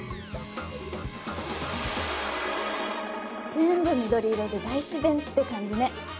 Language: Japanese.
全部緑色で大自然って感じね。